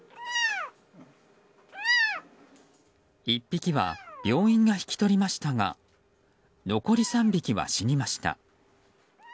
１匹は病院が引き取りましたが残り３匹は死にました。